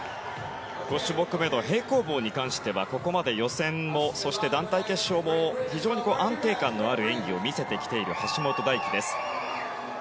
５種目めの平行棒に関してはここまで予選もそして団体決勝も非常に安定感のある演技を見せてきている橋本大輝です。